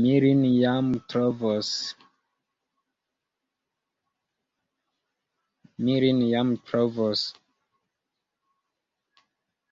Mi lin jam trovos!